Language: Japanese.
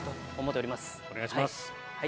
お願いします。